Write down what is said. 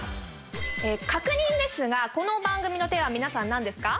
確認ですがこの番組のテーマは皆さん何ですか？